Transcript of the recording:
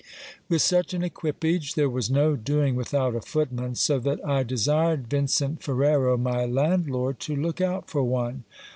With such an equipage, there was no doing without a footman ; so that I desired Vincent Ferrero, my landlord, to look out for one.